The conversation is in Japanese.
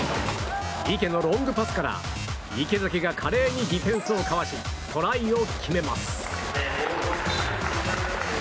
池のロングパスから、池崎が華麗にディフェンスをかわしトライを決めます。